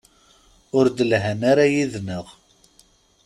Ur d-lhan ara yid-neɣ.